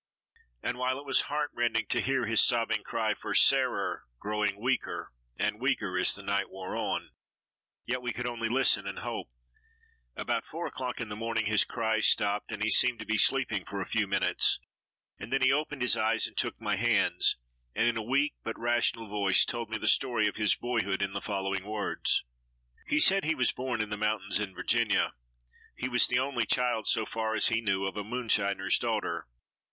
And while it was heart rending to hear his sobbing cry for "Sarer" growing weaker and weaker as the night wore on, yet we could only listen and hope. About 4 o'clock in the morning his cries stopped and he seemed to be sleeping for a few minutes, and then opened his eyes and took my hand and in a weak but rational voice told me the story of his boyhood in the following words: [Illustration: Dillbery Ike's Darling Mother Under Arrest.] He said he was born in the mountains in Virginia. He was the only child, so far as he knew, of a moonshiner's daughter.